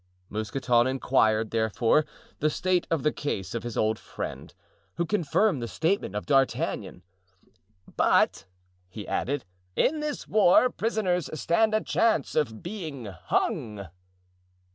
Mousqueton inquired, therefore, the state of the case of his old friend, who confirmed the statement of D'Artagnan. "But," he added, "in this war prisoners stand a chance of being hung."